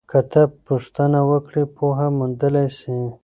که ته پوښتنه وکړې پوهه موندلی سې.